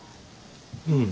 うん。